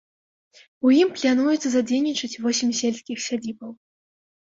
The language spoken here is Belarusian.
У ім плануецца задзейнічаць восем сельскіх сядзібаў.